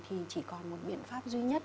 thì chỉ còn một biện pháp duy nhất